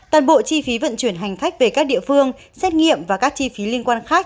toàn bộ chi phí vận chuyển hành khách về các địa phương xét nghiệm và các chi phí liên quan khác